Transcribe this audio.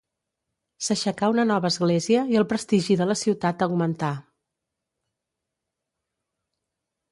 S'aixecà una nova església i el prestigi de la ciutat augmentà.